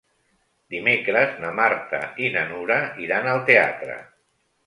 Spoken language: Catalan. Dimecres na Marta i na Nura iran al teatre.